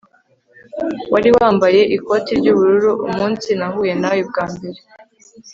wari wambaye ikote ry'ubururu umunsi nahuye nawe bwa mbere